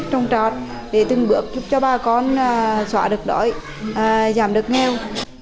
trồng trọt để từng bước giúp cho bà con xóa được đói giảm được nghèo